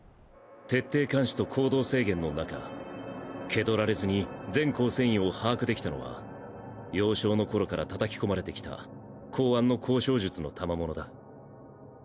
徹底監視と行動制限の中気取られずに全構成員を把握できたのは幼少の頃から叩き込まれてきた公安の交渉術の賜物だ。